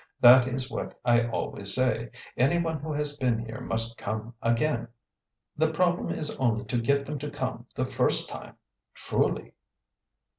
That is what I always say: 'Any one who has been here must come again.' The problem is only to get them to come the first time. Truly!"